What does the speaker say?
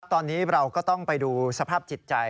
ตอนนี้เราก็ต้องไปดูสภาพจิตใจ